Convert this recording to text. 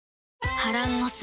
波乱の末